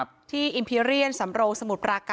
คุณนัทธพงศ์เรียบสันเทียดทีมข่าวของเราอยู่ที่จุดนั้นนะคะ